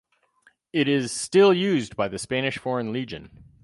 It is still used by the Spanish Foreign Legion.